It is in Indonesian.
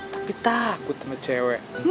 tapi takut sama cewek